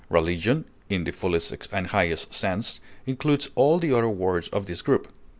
Religion, in the fullest and highest sense, includes all the other words of this group.